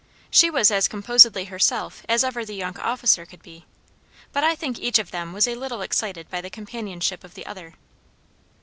She was as composedly herself as ever the young officer could be. But I think each of them was a little excited by the companionship of the other.